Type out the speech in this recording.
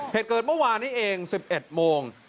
เหตุเกิดเมื่อวานนี้เอง๑๑โมง